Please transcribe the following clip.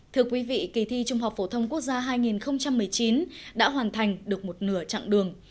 thưa quý vị kỳ thi trung học phổ thông quốc gia hai nghìn một mươi chín đã hoàn thành được một nửa chặng đường